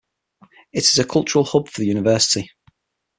It is a cultural hub for the university.